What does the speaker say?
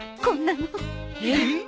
こんなの。えっ！？